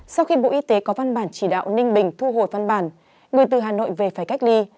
sau khi bộ y tế có văn bản chỉ đạo ninh bình thu hồi văn bản người từ hà nội về phải cách ly